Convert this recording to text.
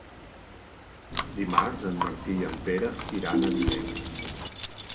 Dimarts en Martí i en Pere iran a Vinebre.